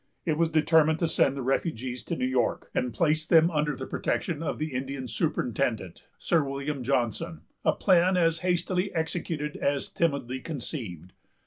It was determined to send the refugees to New York, and place them under the protection of the Indian Superintendent, Sir William Johnson; a plan as hastily executed as timidly conceived.